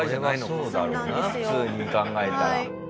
これはそうだろうな普通に考えたら。